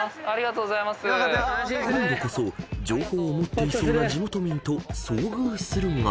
［今度こそ情報を持っていそうな地元民と遭遇するが］